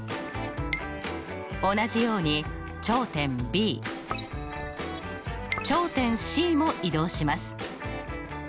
同じように頂点Ｂ頂点Ｃも移動します。